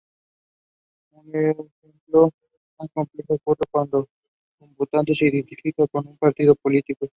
Un ejemplo más complejo ocurre cuando un votante se identifica con un partido político.